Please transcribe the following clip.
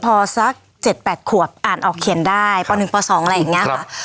พอสักเจ็ดแปดขวบอ่านออกเขียนได้พอหนึ่งพอสองอะไรอย่างเงี้ยครับ